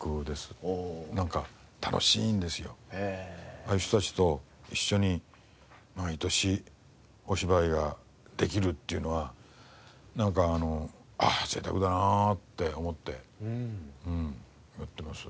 ああいう人たちと一緒に毎年お芝居ができるっていうのはなんかああ贅沢だなって思ってやってます。